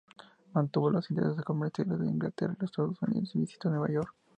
Mantuvo los intereses comerciales de Inglaterra y los Estados Unidos y visitó Nueva York.